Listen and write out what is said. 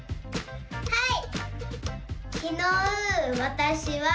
はい！